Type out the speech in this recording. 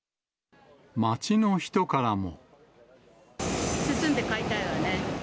街の人からも。